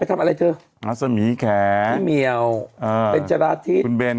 ไปทำอะไรเกิดลักษมีคาท้ายเมี่ยวอ่าเป็นธุระที่คุณเบ่น